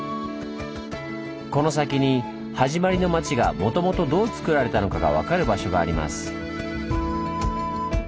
この先にはじまりの町がもともとどうつくられたのかがわかる場所があります。